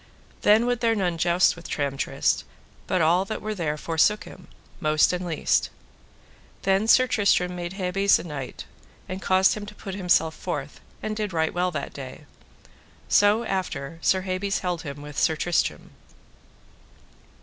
Then would there none joust with Tramtrist, but all that there were forsook him, most and least. Then Sir Tristram made Hebes a knight, and caused him to put himself forth, and did right well that day. So after Sir Hebes held him with Sir Tristram.